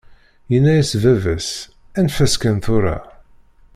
Yenna-as baba-s: Anef-as kan tura.